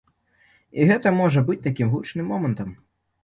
І гэта можа быць такім гучным момантам.